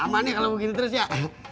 lama nih kalau begini terus ya